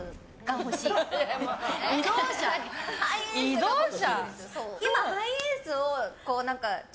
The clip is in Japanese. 移動車！